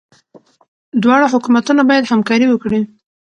دواړه حکومتونه باید همکاري وکړي.